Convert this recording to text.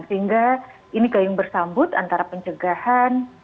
sehingga ini gayung bersambut antara pencegahan